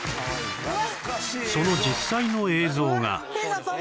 その実際の映像が！